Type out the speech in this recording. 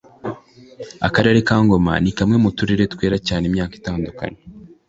Akarere ka Ngoma ni kamwe mu turere twera cyane imyaka itandukanye